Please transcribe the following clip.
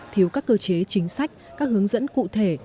thiếu các cơ chế chính sách các hướng dẫn cụ thể